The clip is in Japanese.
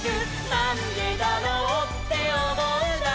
「なんでだろうっておもうなら」